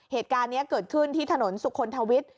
เหตุการณ์นี้เกิดขึ้นที่ถนนสุขลทวิทย์